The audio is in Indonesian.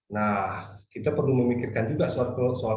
nah kita perlu memikirkan juga soal keberlanjutan ya